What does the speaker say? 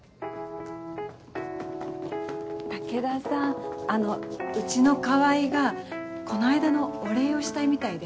武田さんあのうちの川合がこの間のお礼をしたいみたいで。